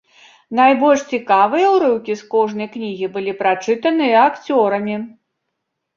Найбольш цікавыя ўрыўкі з кожнай кнігі былі прачытаныя акцёрамі.